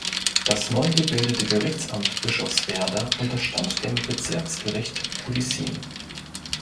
Das neu gebildete Gerichtsamt Bischofswerda unterstand dem Bezirksgericht Budissin.